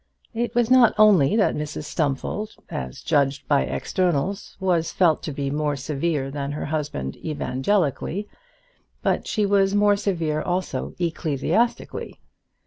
It was not only that Mrs Stumfold, as judged by externals, was felt to be more severe than her husband evangelically, but she was more severe also ecclesiastically.